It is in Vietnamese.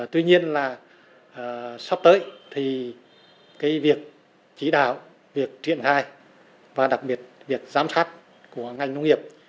tuy nhiên là sắp tới thì cái việc chỉ đạo việc triển khai và đặc biệt việc giám sát của ngành nông nghiệp